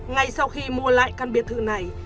ngay sau khi mua lại căn biệt thự này